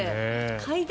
階段